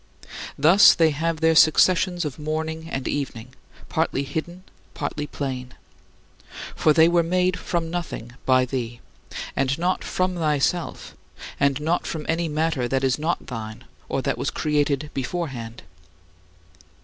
Thus, they have their successions of morning and evening, partly hidden, partly plain. For they were made from nothing by thee, and not from thyself, and not from any matter that is not thine, or that was created beforehand.